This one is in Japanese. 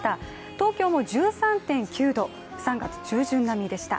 東京も１３．９度、３月中旬並みでした。